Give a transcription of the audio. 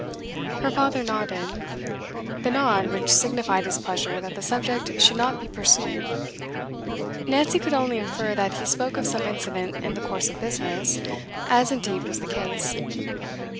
Her father nodded the nod which signified his pleasure that the subject should not be pursued. Nancy could only infer that he spoke of some incident in the course of business, as indeed was the case.